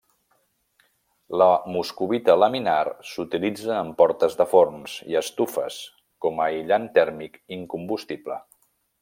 La moscovita laminar s'utilitza en portes de forns i estufes, com aïllant tèrmic incombustible.